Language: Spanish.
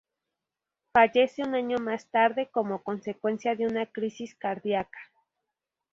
Fallece un año más tarde, como consecuencia de una crisis cardíaca.